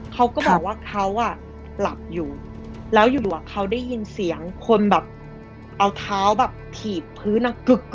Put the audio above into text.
เขาก็บอกว่าเขาอ่ะหลับอยู่แล้วอยู่เขาได้ยินเสียงคนแบบเอาเท้าแบบถีบพื้นอ่ะกึก